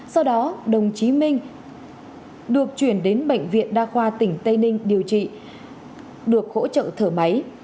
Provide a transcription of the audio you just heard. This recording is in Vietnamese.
sau đó đồng chí minh được chuyển đến bệnh viện đa khoa tỉnh tây ninh điều trị được hỗ trợ thở máy